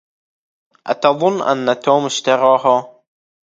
أتظن أن توم اشتراها؟